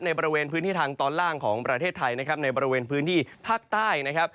บริเวณพื้นที่ทางตอนล่างของประเทศไทยนะครับในบริเวณพื้นที่ภาคใต้นะครับ